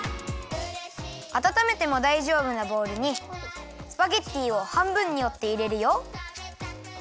あたためてもだいじょうぶなボウルにスパゲッティをはんぶんにおっていれるよ。